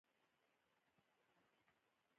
مقابلې عاقلانه لاره نه وه ورمعلومه.